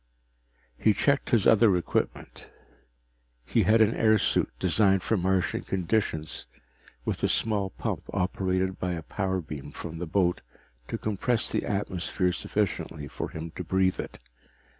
He checked his other equipment. He had an airsuit designed for Martian conditions, with a small pump operated by a power beam from the boat to compress the atmosphere sufficiently for him to breathe it.